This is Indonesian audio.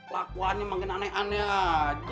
lakuannya makin aneh aneh